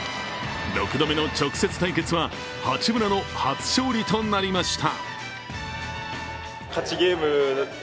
６度目の直接対決は八村の初勝利となりました。